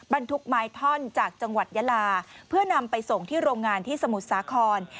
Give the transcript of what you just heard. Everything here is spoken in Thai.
บรรทุกไม้ท่อนจากจังหวัดยาลาเพื่อนำไปส่งที่โรงงานที่สมุทรสาคร